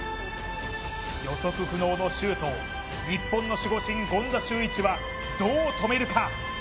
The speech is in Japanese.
予測不能のシュートを日本の守護神・権田修一はどう止めるか。